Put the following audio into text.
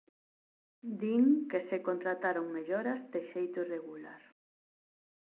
Din que se contrataron melloras de xeito irregular.